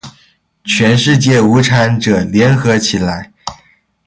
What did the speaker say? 全世界无产者，联合起来！